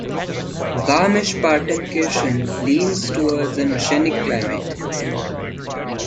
Garmisch-Partenkirchen leans towards an oceanic climate.